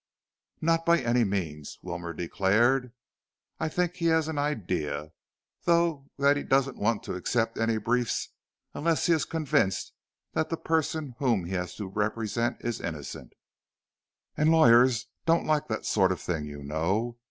"Not by any means," Wilmore declared. "I think he has an idea, though, that he doesn't want to accept any briefs unless he is convinced that the person whom he has to represent is innocent, and lawyers don't like that sort of thing, you know.